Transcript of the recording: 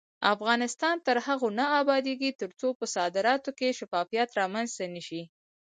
افغانستان تر هغو نه ابادیږي، ترڅو په صادراتو کې شفافیت رامنځته نشي.